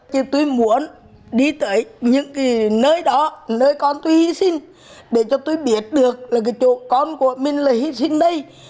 chỉ tôi muốn đi tới những nơi đó nơi con tôi hy sinh để cho tôi biết được là cái chỗ con của mình là hy sinh đây